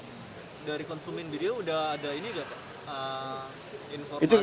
dari konsumin brio udah ada ini gak